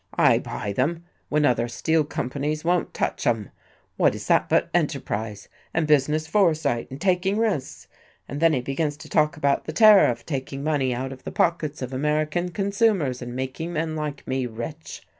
I buy them, when other steel companies won't touch 'em. What is that but enterprise, and business foresight, and taking risks? And then he begins to talk about the tariff taking money out of the pockets of American consumers and making men like me rich.